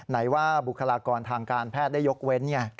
ไหนว่าบุคลากรทางการแพทย์ได้ยกเว้น